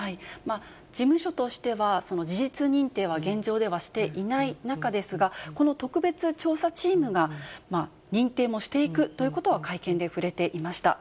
事務所としては、事実認定は現状ではしていない中ですが、この特別調査チームが認定もしていくということは会見で触れていました。